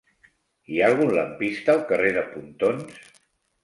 Hi ha algun lampista al carrer de Pontons?